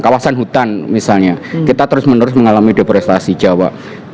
kawasan hutan misalnya kita terus menerus mengalami depresiasi jawa